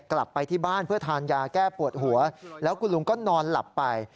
กลับไปที่บ้านเพื่อทานยาแก้ปวดหัวแล้วคุณลุงก็นอนหลับไป